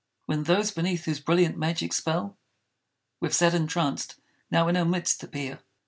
When those, beneath whose brilliant, magic spell We've sat entranced, now in our midst appear!